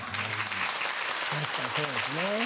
確かにそうですね。